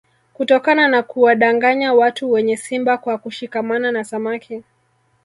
Kutokana na kuwadanganya watu wenye simba kwa kushikamana na samaki